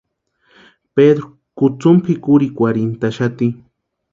Pedru kutsumu pʼikurhikwarintʼaxati.